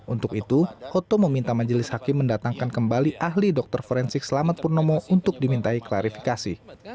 untuk itu hoto meminta majelis hakim mendatangkan kembali ahli dokter forensik selamat purnomo untuk dimintai klarifikasi